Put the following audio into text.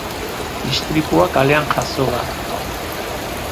Istripua kalean jazo da.